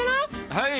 はい。